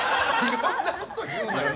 そんなこと言うなよ。